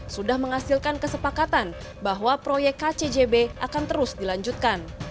sudah menghasilkan kesepakatan bahwa proyek kcjb akan terus dilanjutkan